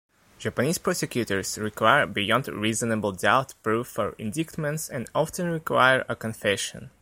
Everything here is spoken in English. Japanese prosecutors require beyond-reasonable-doubt proof for indictments, and often require a confession.